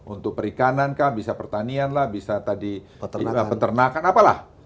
untuk perikanan kah bisa pertanian lah bisa tadi peternakan apalah